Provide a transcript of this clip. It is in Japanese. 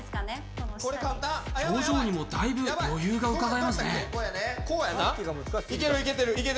表情にもだいぶ余裕がうかがえますね。